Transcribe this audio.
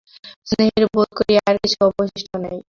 স্নেহের বােধ করি আর কিছু অবশিষ্ট নাই।